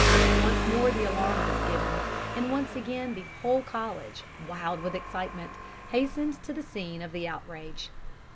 "Once more the alarm was given, and once again the whole College, wild with excitement, hastened to the scene of the outrage.